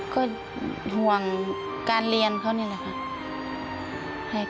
ก็ห่วงการเรียนเขานี่แหละค่ะ